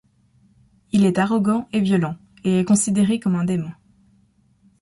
Il est arrogant et violent et est considéré comme un démon.